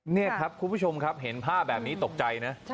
นี่ครับคุณผู้ชมครับเห็นภาพแบบนี้ตกใจนะ